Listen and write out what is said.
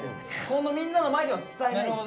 このみんなの前では伝えないです。